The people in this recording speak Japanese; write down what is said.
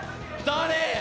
誰？